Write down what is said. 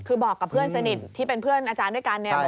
คือบอกกับเพื่อนสนิทที่เป็นเพื่อนอาจารย์ด้วยกันเนี่ย